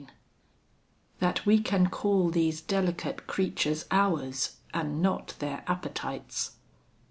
III That we can call these delicate creatures ours, And not their appetites.